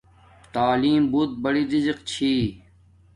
تعلیم بوت بری رزق چھی